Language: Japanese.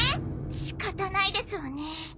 仕方ないですわね。